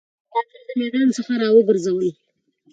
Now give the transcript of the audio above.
داکتر د میدان څخه راګرځول